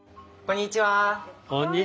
こんにちは。